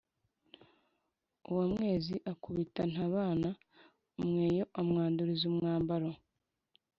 uwamwezi akubita ntabana umweyo amwanduriza umwambaro.